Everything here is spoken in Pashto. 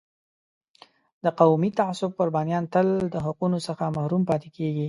د قومي تعصب قربانیان تل د حقونو څخه محروم پاتې کېږي.